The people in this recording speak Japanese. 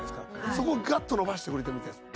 そこをガッと伸ばしてくれてるみたいです。